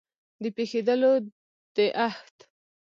د پېښېدلو د احت